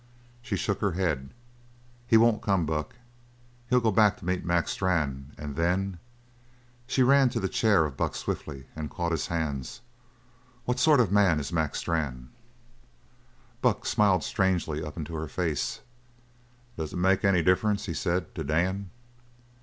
She shook her head. "He won't come, Buck. He'll go back to meet Mac Strann and then " She ran to the chair of Buck swiftly and caught his hands: "What sort of a man is Mac Strann?" But Buck smiled strangely up into her face. "Does it make any difference," he said, "to Dan?"